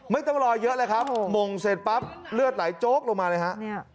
ไม่ต้องรอเยอะเลยครับมงเสร็จปั๊บเลือดไหลโจ๊กลงมาเลยฮะ